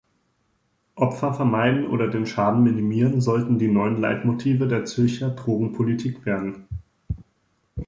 Opfer vermeiden oder den Schaden minimieren sollten die neuen Leitmotive der Zürcher Drogenpolitik werden.